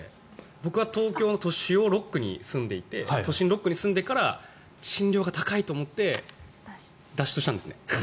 僕は東京の都心６区に住んでいて都心６区に住んでから賃料が高いと思って脱出したんですね。